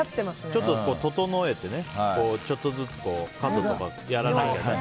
ちょっと整えてねちょっとずつやらないとね。